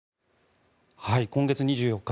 今月２４日